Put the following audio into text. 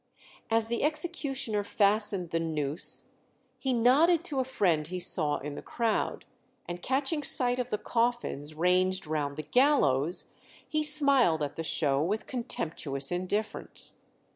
As the executioner fastened the noose, he nodded to a friend he saw in the crowd; and catching sight of the coffins ranged around the gallows, he smiled at the show with contemptuous indifference.